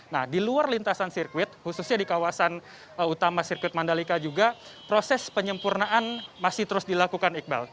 nah di luar lintasan sirkuit khususnya di kawasan utama sirkuit mandalika juga proses penyempurnaan masih terus dilakukan iqbal